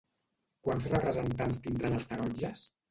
Quants representants tindran els taronges?